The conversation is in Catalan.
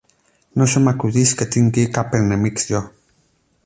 No se m'acudeix que tingui cap enemic jo.